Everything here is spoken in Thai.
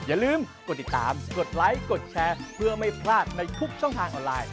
อย่าลืมกดติดตามกดไลค์กดแชร์เพื่อไม่พลาดในทุกช่องทางออนไลน์